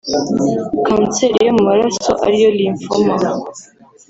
Kanseri yo mu maraso ari yo Lymphoma